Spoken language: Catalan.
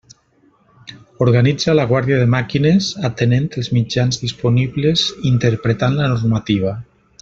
Organitza la guàrdia de màquines, atenent els mitjans disponibles i interpretant la normativa.